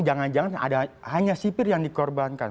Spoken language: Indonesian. jangan jangan ada hanya sipir yang dikorbankan